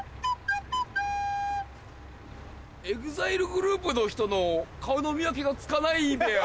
ＥＸＩＬＥグループの人の顔の見分けがつかないべや。